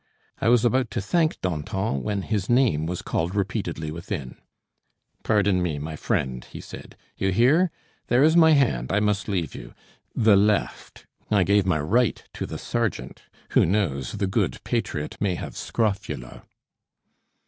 I was about to thank Danton, when his name was called repeatedly within. "Pardon me, my friend," he said; "you hear? There is my hand; I must leave you the left. I gave my right to the sergeant. Who knows, the good patriot may have scrofula?"